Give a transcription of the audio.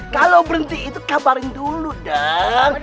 kalau berhenti itu kabarin dulu dong